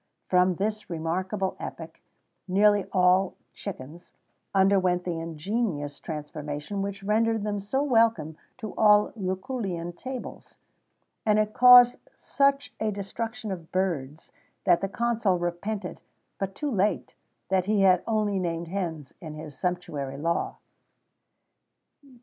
[XVII 15] From this remarkable epoch, nearly all chickens underwent the ingenious transformation which rendered them so welcome to all Lucullian tables;[XVII 16] and it caused such a destruction of birds, that the consul repented, but too late, that he had only named hens in his sumptuary law.